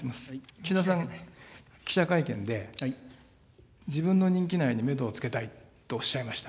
岸田さん、記者会見で、自分の任期内にメドをつけたいとおっしゃいました。